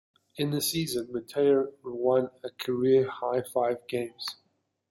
In the season, Mitre won a career-high five games.